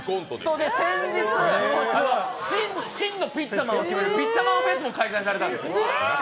先日、真のピッツァマンを決めるピッツァマンフェスも開催されたんです。